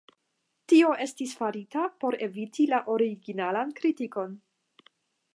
Tio estas farita por eviti la originalan kritikon.